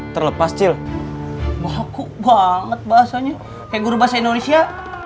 terlepas cil banget bahasanya indonesia